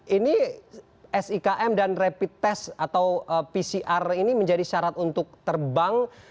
ini sikm dan rapid test atau pcr ini menjadi syarat untuk terbang